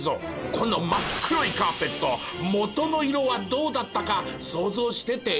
この真っ黒いカーペット元の色はどうだったか想像してて。